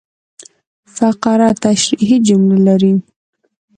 فقره تشریحي جملې لري.